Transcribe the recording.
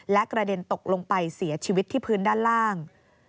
และกระเด็นตกลงไปเสียชีวิตที่พื้นด้านล่าง